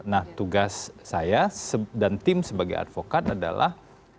nah tugas saya dan tim sebagai advokat adalah